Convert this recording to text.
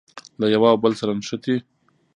له یوه او بل سره نښتي.